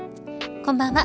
こんばんは。